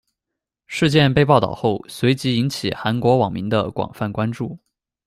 事件被报导后，随即引起韩国网民的广泛关注。